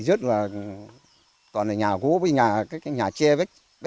rất là toàn là nhà gỗ với nhà các cái nhà tre bách bách nước các cái nhà xe các cái nhà xe các cái nhà xe